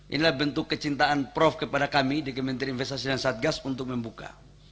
inilah bentuk kecintaan prof kepada kami di kementerian investasi dan satgas untuk membuka